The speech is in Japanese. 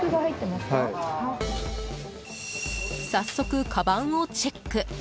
早速、かばんをチェック。